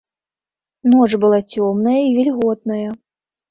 Ноч была цёмная і вільготная.